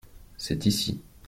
C’est ici.